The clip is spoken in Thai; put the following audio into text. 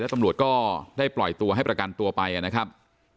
ตำรวจก็ได้ปล่อยตัวให้ประกันตัวไปนะครับ